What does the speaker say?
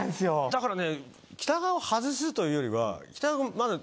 だからね北川を外すというよりは。